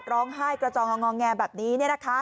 ร้องไห้กระจองงอแงแบบนี้